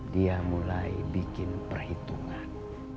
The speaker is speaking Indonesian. dia mulai bikin perhatian